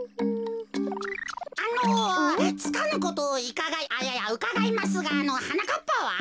あのつかぬことをいかがいいやうかがいますがはなかっぱは？